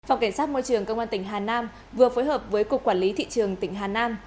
phòng cảnh sát môi trường công an tỉnh hà nam vừa phối hợp với cục quản lý thị trường tỉnh hà nam